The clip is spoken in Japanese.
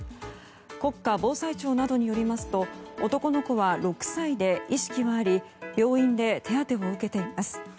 国家防災庁などによりますと男の子は６歳で意識はあり病院で手当ても受けています。